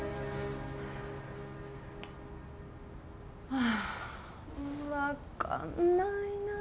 ああ分かんないな。